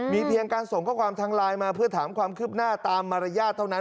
เพียงการส่งข้อความทางไลน์มาเพื่อถามความคืบหน้าตามมารยาทเท่านั้น